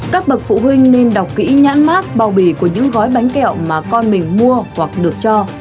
các bậc phụ huynh nên đọc kỹ nhãn mát bao bì của những gói bánh kẹo mà con mình mua hoặc được cho